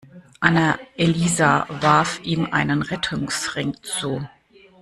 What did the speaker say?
Anna-Elisa warf ihm einen Rettungsring zu.